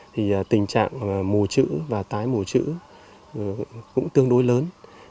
thì tình trạng mù chữ và tái mù chữ cũng tương đối lớn